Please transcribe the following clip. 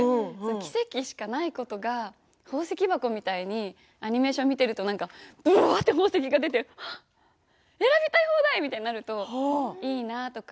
奇跡しかないことが宝石箱みたいにアニメーションを見ているとぶわっと宝石が出て選びたい放題みたいになるといいなとか。